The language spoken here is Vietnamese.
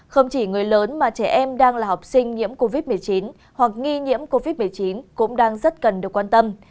không chỉ người lớn mà trẻ em đang là học sinh nhiễm covid một mươi chín hoặc nghi nhiễm covid một mươi chín cũng đang rất cần được quan tâm